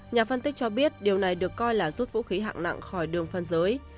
nhà phân tích cho biết điều này được coi là rút vũ khí hạng nặng khỏi đường phân giới